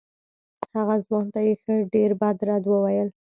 هغه ځوان ته یې ښه ډېر بد رد وویل.